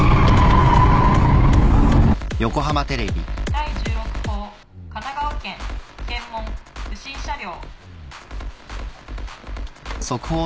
第１６報神奈川県検問不審車両。